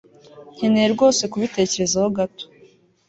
nkeneye rwose kubitekerezaho gato